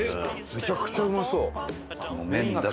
めちゃくちゃうまそう！